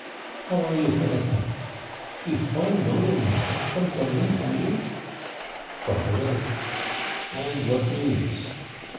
'How are you, Finnucan? you've fine loading there from Dublin, are you?' 'From Bray.' 'And what news?'